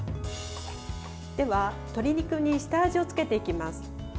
では鶏肉に下味を付けていきます。